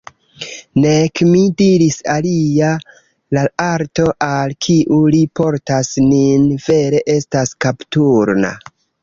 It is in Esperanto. Nek mi, diris alia, la alto, al kiu li portas nin, vere estas kapturna.